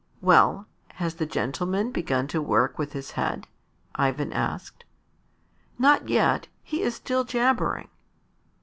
"Well, has the gentleman begun to work with his head?" Ivan asked. "Not yet; he is still jabbering."